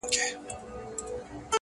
د ماهیانو سوې خوراک مرګ دي په خوا دی!!